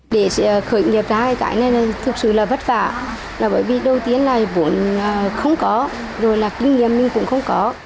để khởi nghiệp ra cái này thực sự là vất vả là bởi vì đầu tiên là vốn không có rồi là kinh nghiệm mình cũng không có